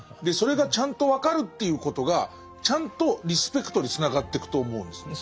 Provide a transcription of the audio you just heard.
それがちゃんと分かるっていうことがちゃんとリスペクトにつながってくと思うんです。